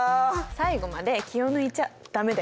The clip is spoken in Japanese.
最後まで気を抜いちゃダメだよ。